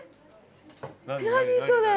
何それ？